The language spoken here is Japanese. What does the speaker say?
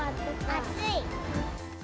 暑い。